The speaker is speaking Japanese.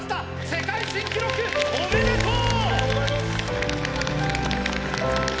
世界新記録おめでとう！